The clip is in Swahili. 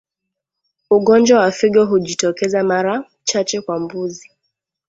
Ugonjwa wa figo hujitokeza mara chache kwa mbuzi